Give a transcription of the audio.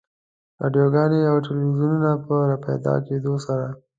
رادیوګانو او تلویزیونونو په راپیدا کېدو سره.